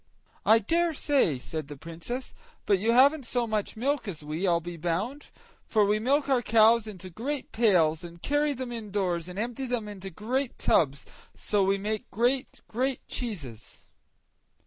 "I dare say," said the Princess; "but you haven't so much milk as we, I'll be bound; for we milk our cows into great pails, and carry them indoors, and empty them into great tubs, and so we make great, great cheeses."